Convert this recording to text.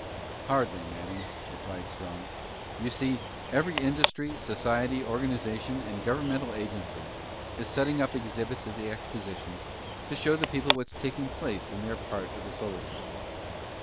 "Hardly, Manning," replied Strong. "You see, every industry, society, organization, and governmental agency is setting up exhibits at the exposition to show the people what's taking place in their part of the solar system.